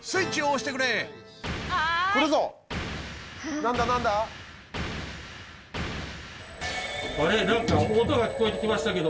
何か音が聞こえてきましたけど。